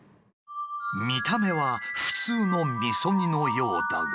見た目は普通のみそ煮のようだが。